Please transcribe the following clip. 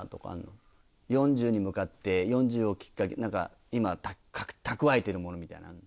４０歳に向かって４０歳をきっかけ何か今蓄えてるものみたいな。